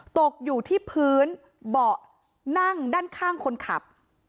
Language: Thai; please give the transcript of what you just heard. ตกอยู่ที่พื้นเบาะนั่งด้านข้างคนขับ